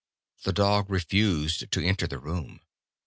The dog refused to enter the room.